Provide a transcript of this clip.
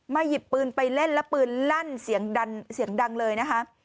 มาหยิบปืนไปเล่นแล้วปืนลั่นเสียงดังเลยนะครับ